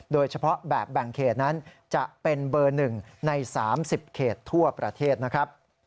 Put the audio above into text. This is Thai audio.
แบบแบ่งเขตนั้นจะเป็นเบอร์๑ใน๓๐เขตทั่วประเทศนะครับ